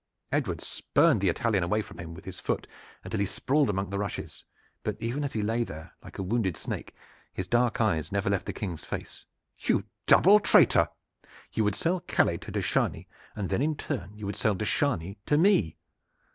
Edward spurned the Italian away from him with his foot until he sprawled among the rushes, but even as he lay there like a wounded snake his dark eyes never left the King's face. "You double traitor! You would sell Calais to de Chargny, and then in turn you would sell de Chargny to me.